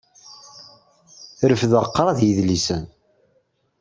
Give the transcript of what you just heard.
Refdeɣ kraḍ yedlisen.